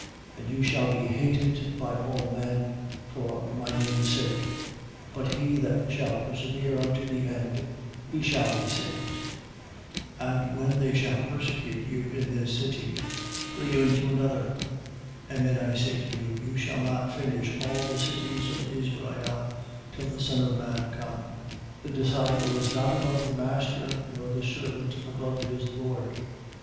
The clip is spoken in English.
10:22. And you shall be hated by all men for my name's sake: but he that shall persevere unto the end, he shall be saved. 10:23. And when they shall persecute you in this city, flee into another. Amen I say to you, you shall not finish all the cities of Israel, till the Son of man come. 10:24. The disciple is not above the master, nor the servant above his lord.